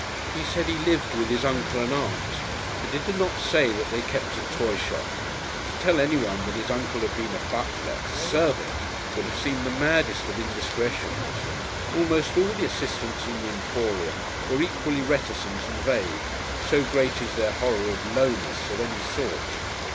He said he lived with his uncle and aunt, but he did not say that they kept a toy shop, and to tell anyone that his uncle had been a butler a servant! would have seemed the maddest of indiscretions. Almost all the assistants in the Emporium were equally reticent and vague, so great is their horror of "Lowness" of any sort.